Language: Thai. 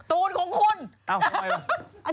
ตูนของคุณ